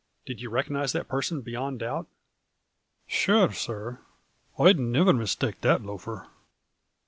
Did you recognize that person beyond doubt ?"" Sure, sir, I'd niver mishtake that loafer."